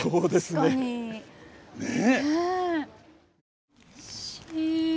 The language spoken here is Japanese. ねえ。